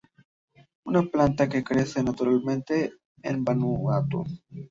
Una planta que crece naturalmente en Vanuatu.